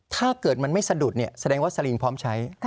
ถ้าเกิดมันไม่สะดุดเนี่ยแสดงว่าสลิงพร้อมใช้